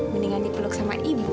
mendingan dipeluk sama ibu